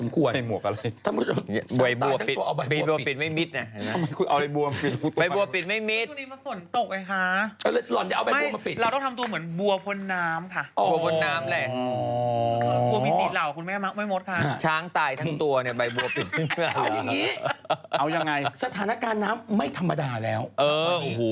ก่อนมาเธอก็สวดมาหาก่าเนอะ